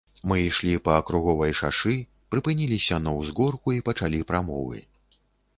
Мы ішлі па акруговай шашы, прыпыніліся на ўзгорку і пачалі прамовы.